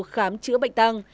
khám chữa bệnh tăng